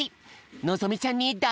のぞみちゃんにだ